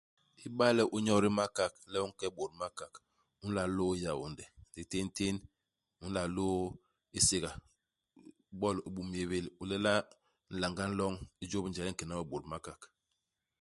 Iba le u nyodi i Makak, le u nke i Bôt-Makak, u nla lôô i Yaônde, ndi téntén, u nla lôô i Séga, u bol i Boumnyébél, u lela nlanga u nloñ, u jôp i njel i nkena we i Bôt-Makak.